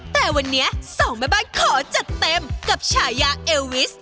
แต่วันนี้สองแม่บ้านขอจัดเต็มกับฉายาเอลวิส